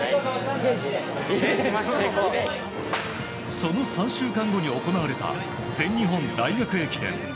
その３週間後に行われた全日本大学駅伝。